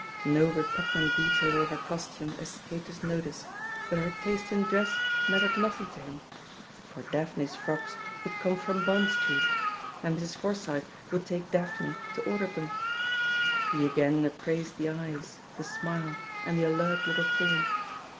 No repugnant detail of her cos tume escaped his notice, but her taste in dress mattered nothing to him, for Daphne's" frocks would come from Bond Street, and Mrs. For sjrth would take *T)aphne" to order them; he again appraised the eyes, the smile, and the alert little form.